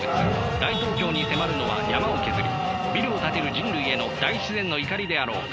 大東京に迫るのは山を削りビルを建てる人類への大自然の怒りであろうか。